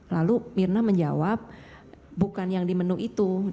lalu mirna menjawab bukan yang di menu itu